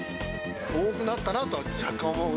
多くなったなとは若干思う。